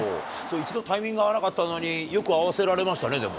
一度タイミング合わなかったのに、よく合わせられましたね、でも。